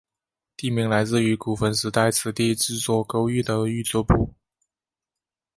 地名来自于古坟时代此地制作勾玉的玉作部。